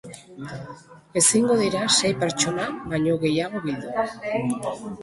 Ezingo dira sei pertsona baino gehiago bildu.